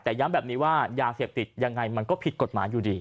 แต่ย้ำแบบนี้ว่ายาเสพติดยังไงมันก็ผิดกฎหมายอยู่ดี